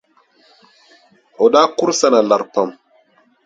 O daa kuri Sana lari pam.